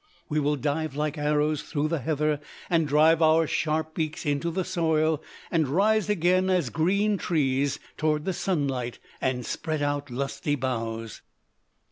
We will dive like arrows through the heather, and drive our sharp beaks into the soil, and rise again, as green trees, toward the sunlight, and spread out lusty boughs.